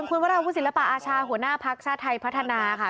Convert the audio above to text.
คุณวัฒนาภูมิศิลปะอาชาหัวหน้าภักรชาไทยพัฒนาค่ะ